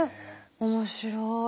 面白い。